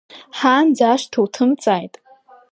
Ҳаанӡа ашҭа уҭымҵааит!